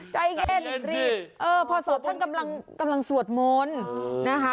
ใจเย็นพอสอท่านกำลังสวดมนต์